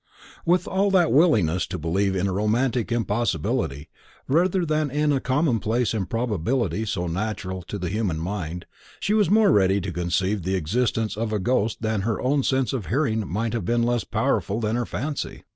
With that willingness to believe in a romantic impossibility, rather than in a commonplace improbability so natural to the human mind, she was more ready to conceive the existence of a ghost than that her own sense of hearing might have been less powerful than her fancy.